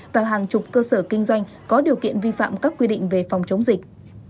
và hàng chục cơ sở kinh doanh có điều kiện vi phạm các quy định về phòng chống dịch